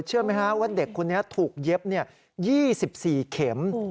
เชื่อไหมคะว่าเด็กคุณนี้ถูกเย็บ๒๔เข็ม